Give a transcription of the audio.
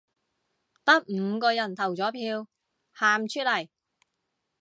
得五個人投咗票，喊出嚟